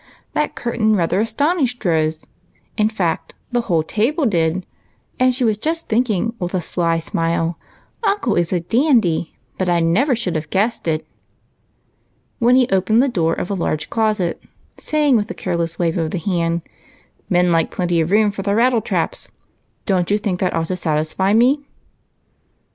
That cushion rather astonished Rose; in fact, the whole table did, and she was just thinking, witli^a sly smile, —" Uncle is a dandy, but I never should have guessed it," when he opened the door of a large closet, saying, with a careless wave of the hand, —" Men like plenty of room for their rattle traps ; don't you think that ought to satisfy me?"